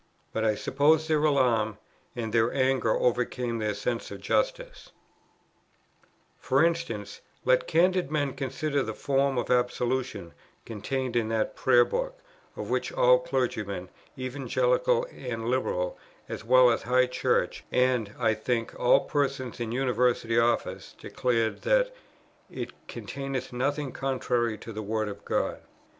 But I suppose their alarm and their anger overcame their sense of justice. For instance, let candid men consider the form of Absolution contained in that Prayer Book, of which all clergymen, Evangelical and Liberal as well as high Church, and (I think) all persons in University office declare that "it containeth nothing contrary to the Word of God."